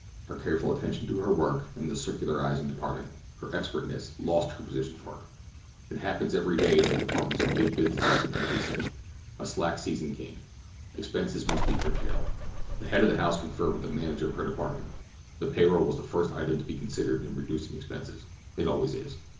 Her careful attention to her work, in the circularizing department—her expertness—lost her position for her. It happens every day in the departments of big businesses in every city. A slack season came. Expenses must be curtailed. The head of the house conferred with the manager of her department. The pay roll was the first item to be considered in reducing expenses—it always is.